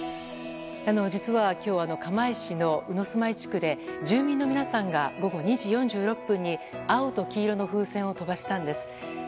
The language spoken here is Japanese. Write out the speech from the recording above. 実は、今日釜石の鵜住居地区で住民の皆さんが午後２時４６分に青と黄色の風船を飛ばしたんです。